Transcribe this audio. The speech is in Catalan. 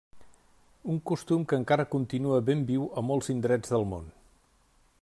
Un costum que encara continua ben viu a molts d'indrets del món.